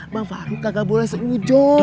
abang faruk gak boleh seujo